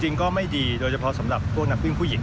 จริงก็ไม่ดีโดยเฉพาะสำหรับพวกนักวิ่งผู้หญิง